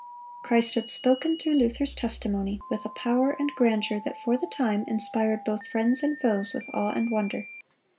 Christ had spoken through Luther's testimony with a power and grandeur that for the time inspired both friends and foes with awe and wonder.